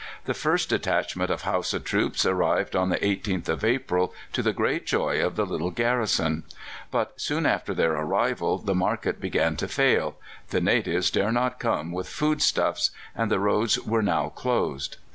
The first detachment of Hausa troops arrived on the 18th of April, to the great joy of the little garrison; but soon after their arrival the market began to fail: the natives dare not come with food stuffs, and the roads were now closed.